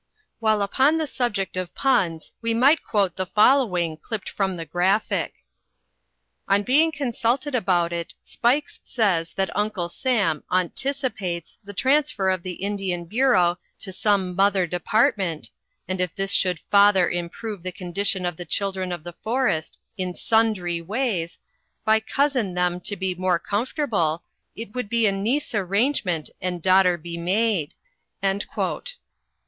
_ While upon the subject of puns, we might quote the following, clipped from the "Graphic": "On being consulted about it Spikes says that Uncle Sam aunticipates the transfer of the Indian Bureau to some mother department, and if this should father improve the condition of the children of the forest, in sondry ways, by cousin them to be more comfortable, it would be a niece arrangement and daughter be made."